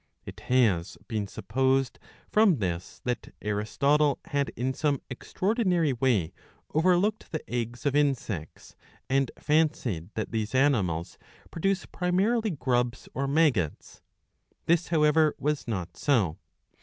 It has been supposed from this that Aristotle had in some extraordinary way overlooked the eggs of insects, and fancied that these animals produce primarily grubs or maggots. This, however, was not so.